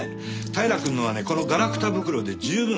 平くんのはねこのガラクタ袋で十分。